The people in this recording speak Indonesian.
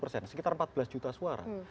sekitar empat belas juta suara